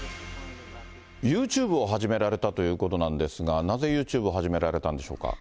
ユーチューブを始められたということなんですが、なぜユーチューブを始められたんでしょうか？